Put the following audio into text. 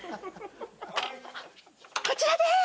こちらでーす！